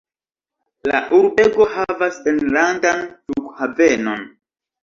La urbego havas enlandan flughavenon.